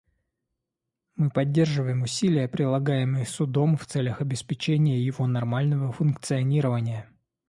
Мы поддерживаем усилия, прилагаемые Судом в целях обеспечения его нормального функционирования.